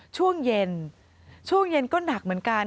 ช่วงเย็นช่วงเย็นก็หนักเหมือนกัน